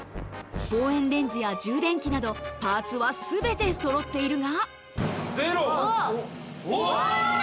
望遠レンズや充電器など、パーツはすべてそろっているが。